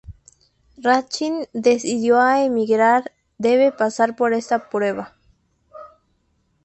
Rachid, decidido a emigrar, debe pasar por esa prueba.